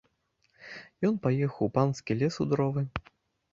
Ён паехаў у панскі лес у дровы.